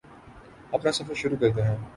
اپنا سفر شروع کرتے ہیں